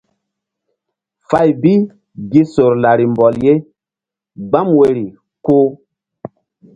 Fay bi gi sor lari mbɔl ye gbam woyri ku.